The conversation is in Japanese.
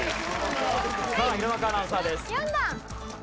さあ弘中アナウンサーです。